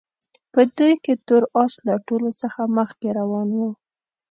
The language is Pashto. په دوی کې تور اس له ټولو څخه مخکې روان وو.